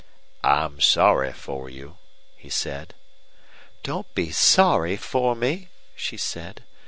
"I'm sorry for you," he said. "Don't be SORRY for me," she said.